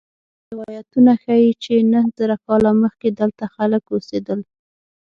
روایتونه ښيي چې نهه زره کاله مخکې دلته خلک اوسېدل.